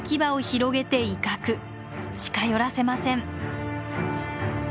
近寄らせません。